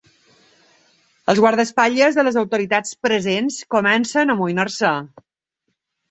Els guardaespatlles de les autoritats presents comencen a amoïnar-se.